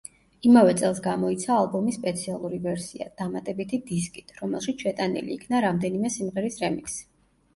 იმავე წელს გამოიცა ალბომის სპეციალური ვერსია, დამატებითი დისკით, რომელშიც შეტანილი იქნა რამდენიმე სიმღერის რემიქსი.